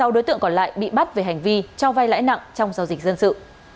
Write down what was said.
sáu đối tượng còn lại bị bắt về hành vi cho vay lãi nặng trong giao dịch dân sự